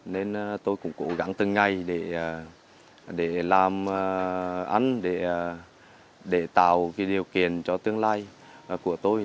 nên tôi cũng cố gắng từng ngày để làm ăn để tạo điều kiện cho tương lai của tôi